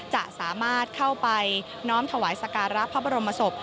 จะสามารถเข้าไปน้อมถวายสการะพระบรมศพ